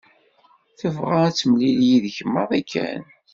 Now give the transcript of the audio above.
Tebɣa ad temlil yid-k maḍi kan.